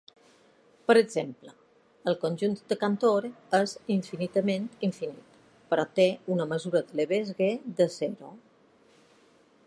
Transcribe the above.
Per exemple, el conjunt de Cantor és infinitament infinit, però té una mesura de Lebesgue de zero.